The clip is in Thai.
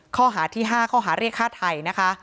ข้อหาที่๕ข้อหาเรียกฆ่าไทยนะคะ